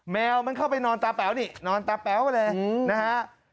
แมวมันเข้าไปนอนตาแป๋วนี่นอนตาแป๋วเลยนะฮะ